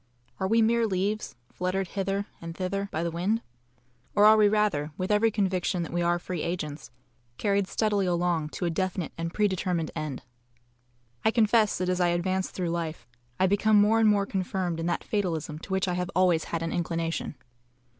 Are we mere leaves, fluttered hither and thither by the wind, or are we rather, with every conviction that we are free agents, carried steadily along to a definite and pre determined end? I confess that as I advance through life, I become more and more confirmed in that fatalism to which I have always had an inclination.